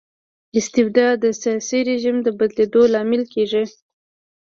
استبداد د سياسي رژيم د بدلیدو لامل کيږي.